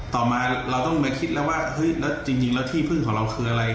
ต่อมาเราต้องมาคิดแล้วว่าเฮ้ยแล้วจริงแล้วที่พึ่งของเราคืออะไร